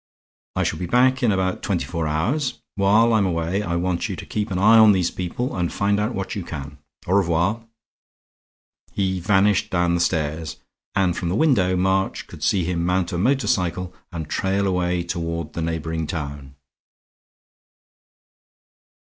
I shall be back in about twenty four hours. While I'm away I want you to keep an eye on these people and find out what you can. Au revoir." He vanished down the stairs; and from the window March could see him mount a motor cycle and trail away toward the neighboring town.